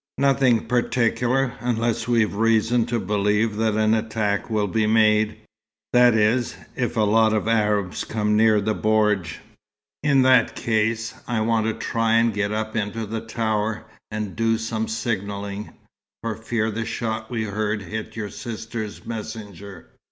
"Nothing particular, unless we've reason to believe that an attack will be made; that is, if a lot of Arabs come near the bordj. In that case, I want to try and get up into the tower, and do some signalling for fear the shot we heard hit your sister's messenger.